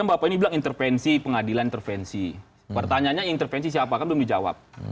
bapak ini bilang intervensi pengadilan intervensi pertanyaannya intervensi siapa kan belum dijawab